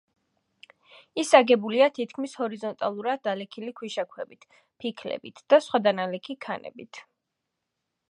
ის აგებულია თითქმის ჰორიზონტალურად დალექილი ქვიშაქვებით, ფიქლებით და სხვა დანალექი ქანებით.